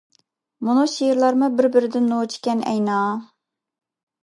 مۇنۇ شېئىرلارمۇ بىر-بىرىدىن نوچى ئىكەن ئەينا.